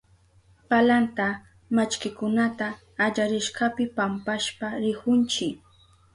Palanta mallkikunata allarishkapi pampashpa rihunchi.